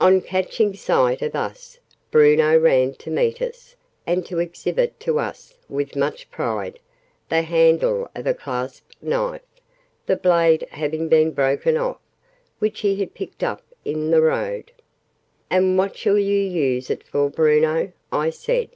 On catching sight of us, Bruno ran to meet us, and to exhibit to us, with much pride, the handle of a clasp knife the blade having been broken off which he had picked up in the road. "And what shall you use it for, Bruno?" I said.